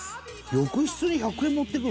「浴室に１００円持っていくの？」